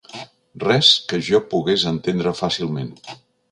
Res que jo pogués entendre fàcilment!